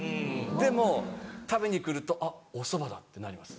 でも食べに来ると「あっおそばだ」ってなります。